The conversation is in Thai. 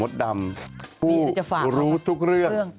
ดำผู้รู้ทุกเรื่อง